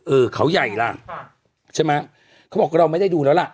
เขาใหญ่ล่ะใช่ไหมเขาบอกเราไม่ได้ดูแล้วล่ะ